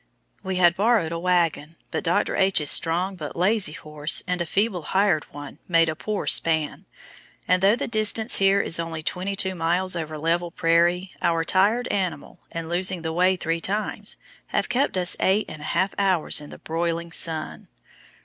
We had borrowed a wagon, but Dr. H.'s strong but lazy horse and a feeble hired one made a poor span; and though the distance here is only twenty two miles over level prairie, our tired animal, and losing the way three times, have kept us eight and a half hours in the broiling sun.